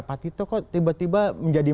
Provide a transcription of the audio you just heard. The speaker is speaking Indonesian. pak tito kok tiba tiba menjadi